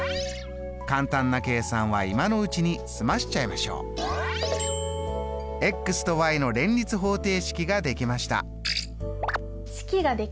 簡単な計算は今のうちに済ましちゃいましょう。との連立方程式ができました。